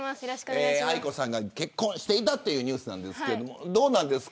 ａｉｋｏさんが結婚していたというニュースですがどうですか。